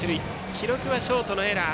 記録はショートのエラー。